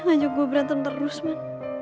ajak gue berantem terus man